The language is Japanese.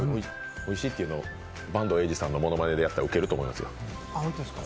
おいしいというのを板東英二さんのものまねでやったらウケると思いますよ。